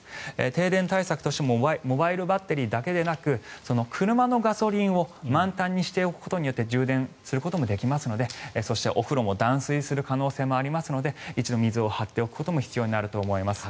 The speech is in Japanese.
停電対策としてモバイルバッテリーだけでなく車のガソリンを満タンにしておくことによって充電することもできますのでそして、お風呂も断水する可能性もありますので一度水を張っておくことも必要になると思われます。